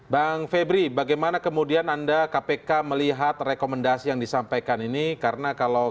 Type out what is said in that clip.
bang febri bagaimana kemudian anda kpk melihat rekomendasi yang disampaikan ini karena kalau